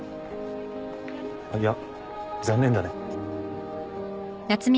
いや残念だね。